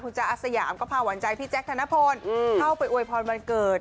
จ๊ะอาสยามก็พาหวานใจพี่แจ๊คธนพลเข้าไปอวยพรวันเกิด